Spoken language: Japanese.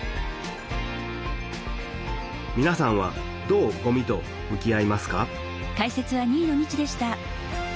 みなさんはどうごみと向き合いますか？